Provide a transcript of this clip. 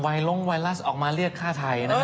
ไวล่งไวรัสออกมาเรียกค่าไทยนะฮะ